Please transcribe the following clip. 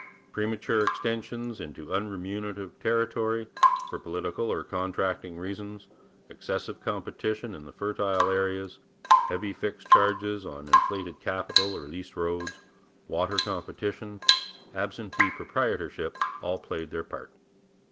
Premature extension into unremunerative territory, for political or contracting reasons, excessive competition in the fertile areas, heavy fixed charges on inflated capital or leased roads, water competition, absentee proprietorship, all played their part.